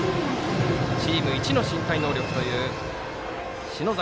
チーム一の身体能力という篠崎